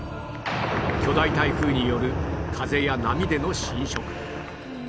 巨大台風による風や波での浸食